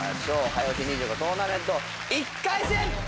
早押し２５トーナメント１回戦。